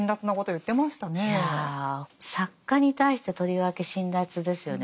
いや作家に対してとりわけ辛辣ですよね。